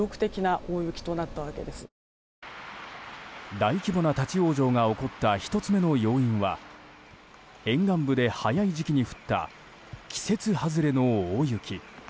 大規模な立ち往生が起こった１つ目の要因は沿岸部で早い時期に降った季節外れの大雪。